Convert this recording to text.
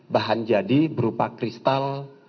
bahan jadi berupa kristal